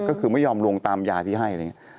ก็คือไม่ยอมลงตามยาที่ให้